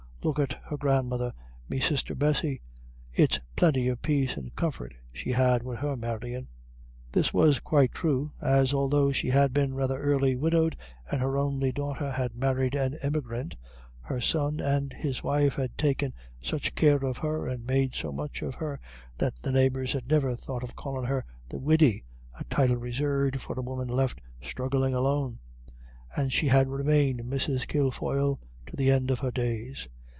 Look at her grandmother, me sister Bessy, it's plinty of paice and comfort she had wid her marryin'." This was quite true, as although she had been rather early widowed, and her only daughter had married an emigrant, her son and his wife had taken such care of her, and made so much of her, that the neighbours had never thought of calling her the widdy, a title reserved for a woman left struggling alone; and she had remained Mrs. Kilfoyle to the end of her days.